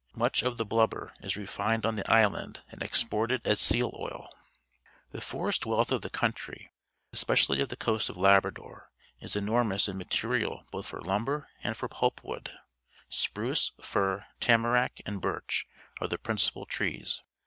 Much of the blubber is refined on the island and exported as seal oil. Ihejoresjvjyialtti of the country, especially of the Coast of Labrador, is enormous in material both for lumber and for pulp wood. Spruce, fir, tamarack, and birch are the principal trees.